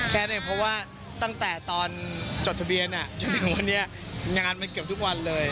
แค่นี้เพราะว่าตั้งแต่ตอนจดทะเบียนจนถึงวันนี้งานมันเกือบทุกวันเลย